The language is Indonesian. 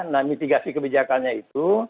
nah mitigasi kebijakannya itu